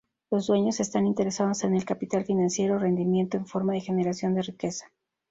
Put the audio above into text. Los dueños están interesados en el capital financiero—rendimiento en forma de generación de riqueza.